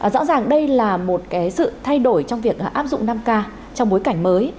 rõ ràng đây là một sự thay đổi trong việc áp dụng năm k trong bối cảnh mới